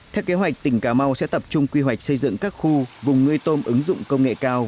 theo kế hoạch tỉnh cà mau sẽ tập trung quy hoạch xây dựng các khu vùng nuôi tôm ứng dụng công nghệ cao